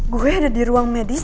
gue ada di ruang medis